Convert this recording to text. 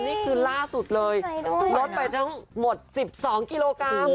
นี่คือล่าสุดเลยใส่ด้วยลดไปทั้งหมดสิบสองกิโลกรัม